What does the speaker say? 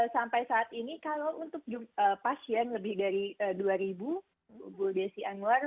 sampai saat ini kalau untuk pasien lebih dari dua ribu bu desi anwar